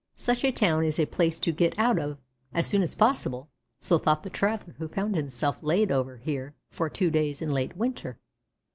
Such a town is a place to get out of, as soon as possible, so thought the traveller who found himself laid over here for two days in late winter.